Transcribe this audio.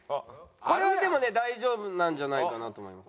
これはでもね大丈夫なんじゃないかなと思います。